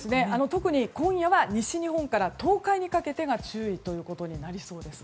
特に今夜は西日本から東海にかけてが注意ということになりそうです。